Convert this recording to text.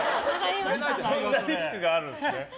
そんなリスクがあるんですね。